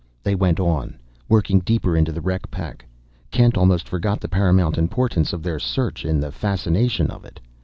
They went on, working deeper into the wreck pack. Kent almost forgot the paramount importance of their search in the fascination of it.